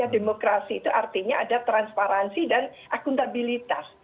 demokrasi itu artinya ada transparansi dan akuntabilitas